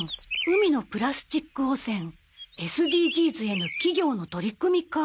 海のプラスチック汚染ＳＤＧｓへの企業の取り組みか。